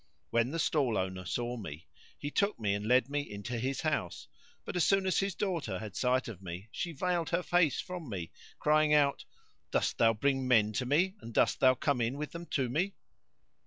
When the stall owner saw me, he took me and led me into his house, but as soon as his daughter had sight of me she veiled her face from me, crying out, "Dost thou bring men to me and dost thou come in with them to me?"